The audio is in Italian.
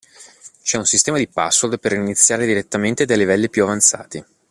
C'è un sistema di password per iniziare direttamente dai livelli più avanzati.